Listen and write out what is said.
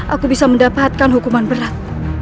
aku bisa mendapatkan hukuman berat